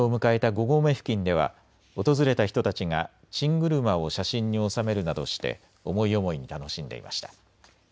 ５合目付近では訪れた人たちがチングルマを写真に収めるなどして思い思いに楽しんでいました。